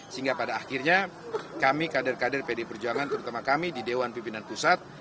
sehingga pada akhirnya kami kader kader pd perjuangan terutama kami di dewan pimpinan pusat